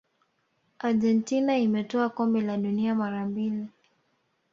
argentina imetwaa kombe la dunia mara mbili